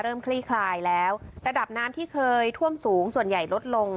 คลี่คลายแล้วระดับน้ำที่เคยท่วมสูงส่วนใหญ่ลดลง